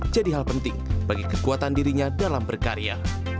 jadi hal penting bagi kekuatan dirinya dalam berkarya